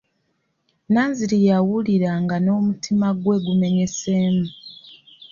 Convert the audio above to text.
Nanziri yawulira nga n'omutima gwe gumenyeseemu.